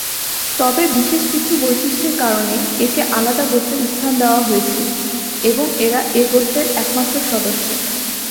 তবে বিশেষ কিছু বৈশিষ্ট্যের কারণে একে আলাদা গোত্রে স্থান দেওয়া হয়েছে এবং এরা এ গোত্রের একমাত্র সদস্য।